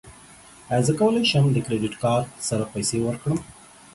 ایا زه کولی شم د کریډیټ کارت سره پیسې ورکړم؟